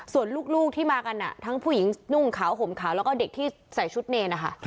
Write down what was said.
ส่วนลูกที่มากันทั้งผู้หญิงนุ่งขาวห่มขาวแล้วก็เด็กที่ใส่ชุดเนรนะคะ